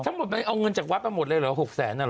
สำหรับเอาเงินจากวัดไปหมดละหรือหกแสนเนี่ยหรอ